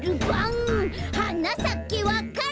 「はなさけわか蘭」